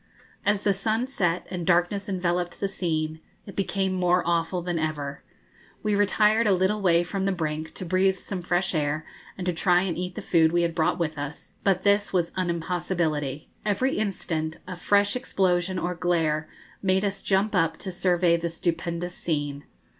As the sun set, and darkness enveloped the scene, it became more awful than ever. We retired a little way from the brink, to breathe some fresh air, and to try and eat the food we had brought with us; but this was an impossibility. Every instant a fresh explosion or glare made us jump up to survey the stupendous scene.